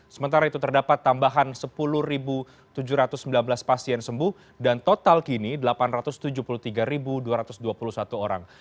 sementara itu terdapat tambahan sepuluh tujuh ratus sembilan belas pasien sembuh dan total kini delapan ratus tujuh puluh tiga dua ratus dua puluh satu orang